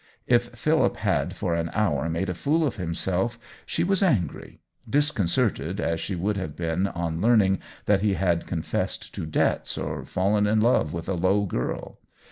If Philip had for an hour made a fool of himself, she was angry — dis concerted as she would have been on learn ing that he had confessed to debts or fallen in love with a low girl.